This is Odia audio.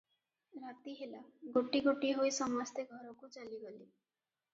ରାତି ହେଲା, ଗୋଟି ଗୋଟି ହୋଇ ସମସ୍ତେ ଘରକୁ ଚାଲିଗଲେ ।